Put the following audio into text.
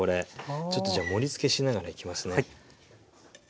ちょっとじゃあ盛りつけしながらいきますね。